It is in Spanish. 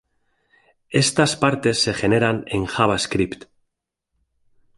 Estas partes se generan en JavaScript.